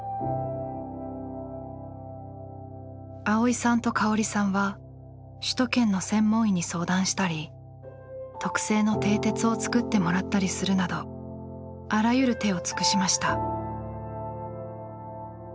蒼依さんと香織さんは首都圏の専門医に相談したり特製のてい鉄を作ってもらったりするなどあらゆる手を尽くしました。